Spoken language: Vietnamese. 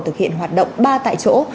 thực hiện hoạt động ba tại chỗ